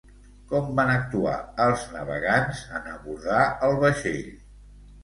Com van actuar els navegants en abordar el vaixell?